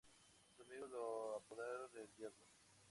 Sus amigos lo apodaron "El Diablo".